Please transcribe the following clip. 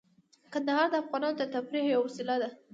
کندهار د افغانانو د تفریح یوه وسیله ده.